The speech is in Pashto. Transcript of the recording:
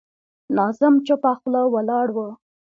ناظم چوپه خوله ولاړ و.